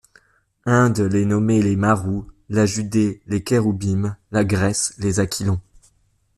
Inde les nommait les Marouts, la Judée les Kéroubims, la Grèce les Aquilons.